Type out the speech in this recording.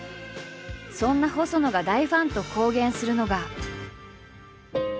そんな細野が「大ファン」と公言するのが。